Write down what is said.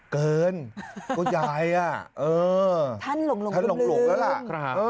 เกินก็ยายอ่ะเออท่านหลงแล้วล่ะ